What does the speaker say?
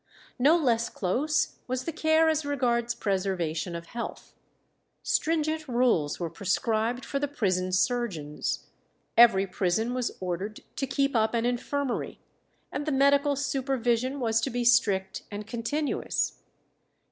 No less close was the care as regards preservation of health. Stringent rules were prescribed for the prison surgeons; every prison was ordered to keep up an infirmary, and the medical supervision was to be strict and continuous.